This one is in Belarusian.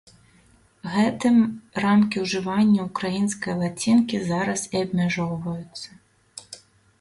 Гэтым рамкі ўжывання ўкраінскай лацінкі зараз і абмяжоўваюцца.